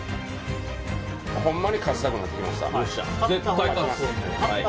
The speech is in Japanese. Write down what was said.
ほんまに勝ちたくなってきました。